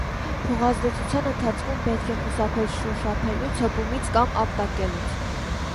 Փոխազդեցության ընթացքում պետք է խուսափել շոշափելուց, հպումից կամ ապտակելուց։